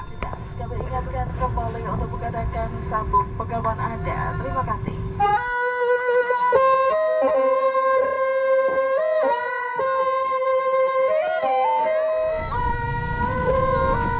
kita ingatkan kembali untuk mengatakan sambung pegawai anda terima kasih